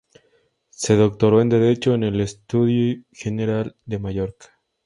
Se doctoró en derecho en el Estudi General de Mallorca.